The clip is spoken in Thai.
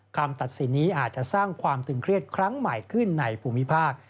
คำตัดสินนี้อาจจะสร้างความตึงเครียดครั้งใหม่ขึ้นในภูมิภาค